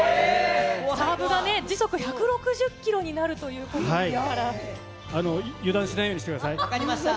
サーブが時速１６０キロにな油断しないようにしてくださ分かりました。